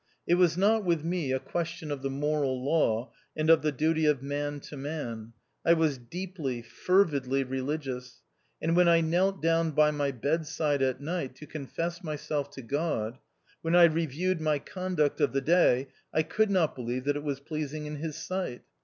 It was not with me a question of the moral law, and of the duty of man to man. I was deeply, fervidly religious ; and when I knelt down by my bed side at night to confess myself to God, when I reviewed my conduct of the day, I could not believe that it was pleasing in His sight.